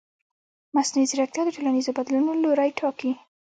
مصنوعي ځیرکتیا د ټولنیزو بدلونونو لوری ټاکي.